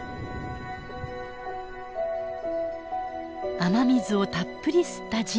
雨水をたっぷり吸った地面。